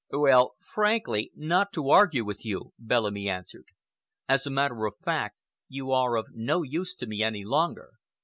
"Well, frankly, not to argue with you," Bellamy answered. "As a matter of fact, you are of no use to me any longer.